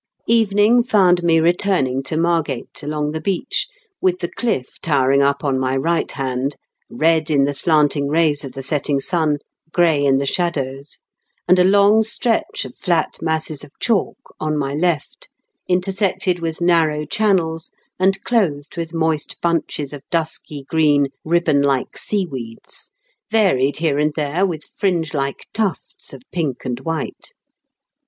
Evening found me returning to Margate, along the beach, with the cliff towering up on my right hand, red in the slanting rays of the setting sun, gray in the shadows, and a long stretch of flat masses of chalk on my left, intersected with narrow channels and clothed with moist bunches of dusky green ribbon like seaweeds, varied here and there with fringe like tufts of pink and white.